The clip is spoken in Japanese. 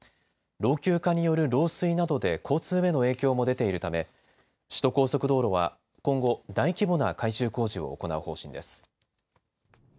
老朽化による漏水などで交通への影響も出ているため首都高速道路は今後、大規模な改修工事を行う方針です。